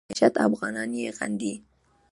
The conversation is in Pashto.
په کور دننه او بهر کې مېشت افغانان یې غندي